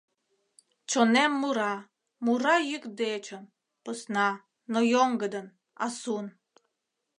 Чонем мура, мура йӱк дечын Посна, но йоҥгыдын, асун.